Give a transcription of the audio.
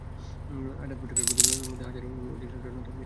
আজাদ পত্রিকার প্রতিবেদন মতে হাজারেরও অধিক ছাত্র-জনতা একুশের মিছিলে অংশ নেয়।